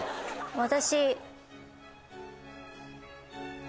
私。